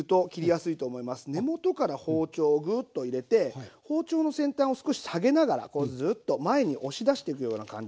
根元から包丁をグーッと入れて包丁の先端を少し下げながらこうズーッと前に押し出してくような感じ。